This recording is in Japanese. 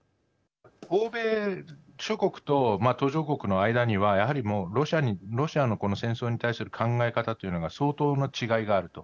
欧米諸国と途上国の間にはやはりロシアのこの戦争に対する考え方というのが相当な違いがあると。